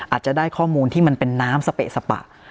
อาจจะได้ข้อมูลที่มันเป็นน้ำสเปะสปะ